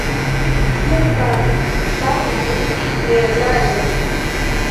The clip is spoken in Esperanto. Ĝi elfaris ŝajnajn neeblaĵojn.